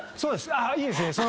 あいいですね！